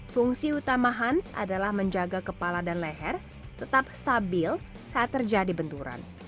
fungsi utama hans adalah menjaga kepala dan leher tetap stabil saat terjadi benturan